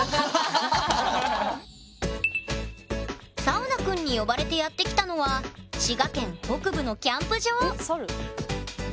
サウナくんに呼ばれてやって来たのは滋賀県北部のキャンプ場！